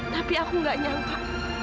tapi aku gak nyangka